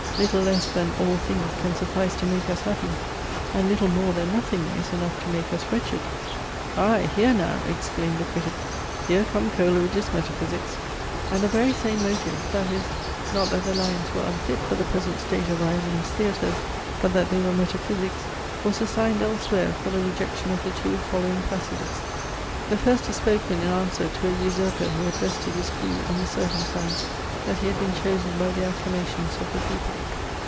Little less Than all things can suffice to make us happy: And little more than nothing is enough To make us wretched." Aye, here now! (exclaimed the critic) here come Coleridge's metaphysics! And the very same motive (that is, not that the lines were unfit for the present state of our immense theatres; but that they were metaphysics ) was assigned elsewhere for the rejection of the two following passages. The first is spoken in answer to a usurper, who had rested his plea on the circumstance, that he had been chosen by the acclamations of the people.